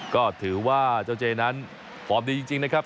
ก็ถือว่าเจ๊นั้นผอมดีจริงนะครับ